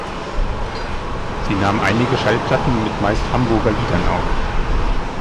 Sie nahm einige Schallplatten mit meist Hamburger Liedern auf.